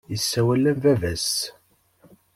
Yessawal am baba-s.